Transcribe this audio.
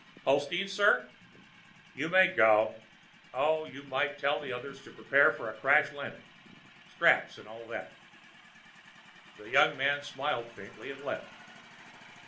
"Holsteins, sir?" "You may go. Oh, you might tell the others to prepare for a crash landing. Straps and all that." The young man smiled faintly and left.